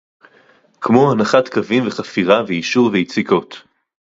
כמו הנחת קווים וחפירה ויישור ויציקות